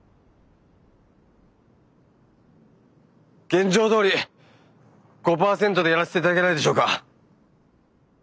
現状どおり５％でやらせていただけないでしょうか。